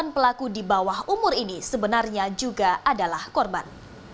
sembilan pelaku di bawah umur ini sebenarnya juga adalah korban